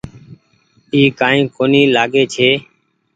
اي ڪآئي ڪونيٚ لآگي ڇي۔